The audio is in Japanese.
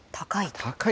高い。